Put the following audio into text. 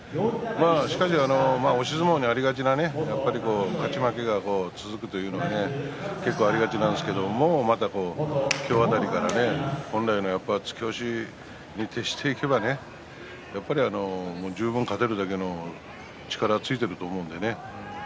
しかし、押し相撲にありがちな勝ち負けが続くというのは結構ありがちなんですけど今日辺りから本来の突き押しに徹していけば十分勝てるだけの力ついていると思うので。